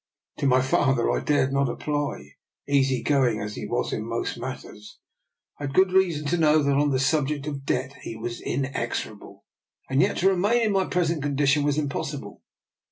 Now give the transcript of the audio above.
To my father I dared not apply: easy going as he was in most matters, I had good reason to know that on the subject of debt he was inexorable. And yet to remain in my present condition was impossible.